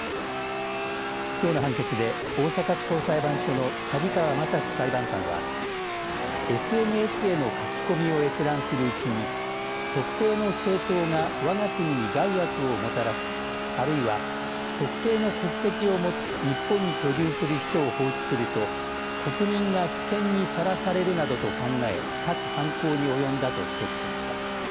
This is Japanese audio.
きょうの判決で大阪地方裁判所の梶川匡志裁判官はＳＮＳへの書き込みを閲覧するうちに特定の政党がわが国に害悪をもたらすあるいは、特定の国籍を持つ日本に居住する人を放置すると国民が危険にさらされるなどと考え各犯行に及んだと指摘しました。